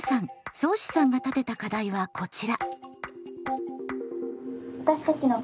そうしさんが立てた課題はこちら。